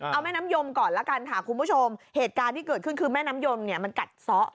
เอาแม่น้ำยมก่อนละกันค่ะคุณผู้ชมเหตุการณ์ที่เกิดขึ้นคือแม่น้ำยมเนี่ยมันกัดซ้อ